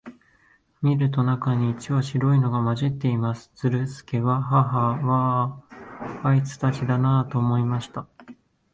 見ると、中に一羽白いのが混じっています。ズルスケは、ハハア、あいつたちだな、と思いました。